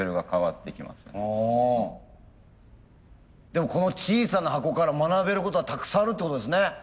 でもこの小さな箱から学べることがたくさんあるってことですね。